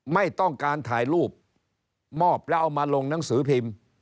ไม่ต้องการถ่ายรูปมอบแล้วเอามาลงหนังสือพิมพ์